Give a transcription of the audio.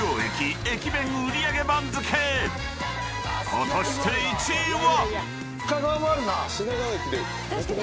［果たして１位は⁉］